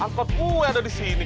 angkot kue ada di sini